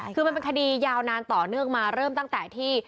คือมันเป็นคดียาวนานต่อเนื่องมาเริ่มตั้งแต่ที่